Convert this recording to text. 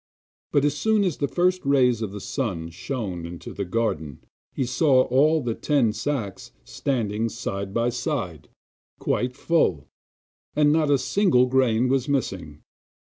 But as soon as the first rays of the sun shone into the garden he saw all the ten sacks standing side by side, quite full, and not a single grain was missing.